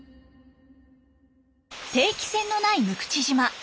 定期船のない六口島。